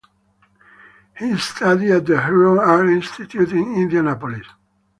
He studied at the Herron Art Institute in Indianapolis.